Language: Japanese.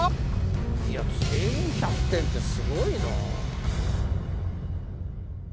いや全員１００点ってすごいな。